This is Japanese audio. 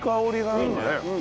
いいね。